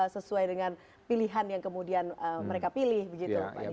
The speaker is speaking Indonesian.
sesuai dengan pilihan yang kemudian mereka pilih begitu